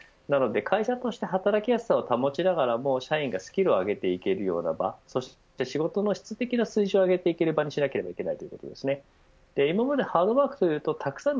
なので、会社として働きやすさを保ちながら社員がスキルを上げていけるような場仕事の質的な水準を上げていければいけません。